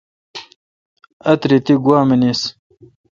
آتری تی گوا منیس۔